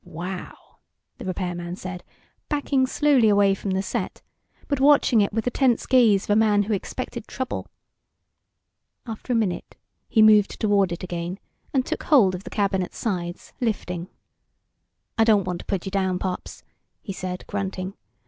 "Wow," the repairman said, backing slowly away from the set, but watching it with the tense gaze of a man who expected trouble. After a minute he moved toward it again, and took hold of the cabinet sides, lifting. "I don't want to put you down, Pops," he said, grunting.